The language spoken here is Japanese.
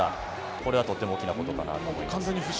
これはとっても大きなことだなと思います。